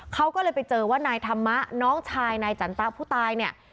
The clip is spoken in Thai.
เขาก็เลยไปเจอว่านายธรรมะน้องชายนายจันตะผู้ตายเนี่ย